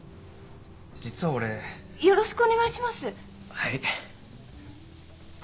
はい。